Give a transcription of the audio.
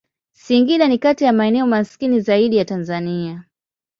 Singida ni kati ya maeneo maskini zaidi ya Tanzania.